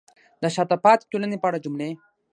د شاته پاتې ټولنې په اړه جملې: